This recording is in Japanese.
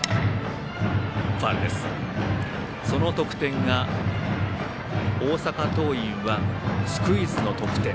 その得点が大阪桐蔭はスクイズの得点。